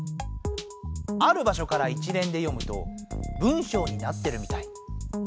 ある場しょから一れんで読むと文しょうになってるみたい。